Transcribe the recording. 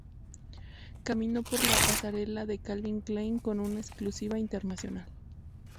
Caminó por la pasarela de Calvin Klein con una exclusiva internacional.